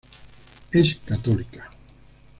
Es católica.